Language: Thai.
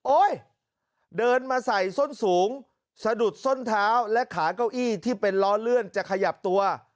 เดินมาใส่ส้นสูงสะดุดส้นเท้าและขาเก้าอี้ที่เป็นล้อเลื่อนจะขยับตัว